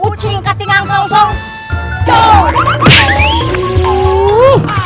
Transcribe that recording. ayo kita ingatkan saja untuk menurut kita